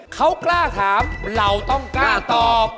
เขากล้าถามเราต้องกล้าตอบ